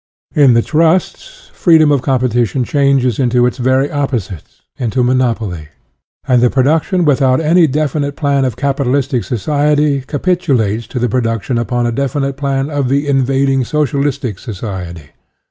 In the trusts, freedom of competition changes into its very opposite into monop oly; and the production without any def inite plan of capitalistic society capitulates to the production upon a definite plan of the invading socialistic society.